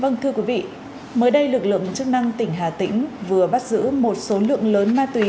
vâng thưa quý vị mới đây lực lượng chức năng tỉnh hà tĩnh vừa bắt giữ một số lượng lớn ma túy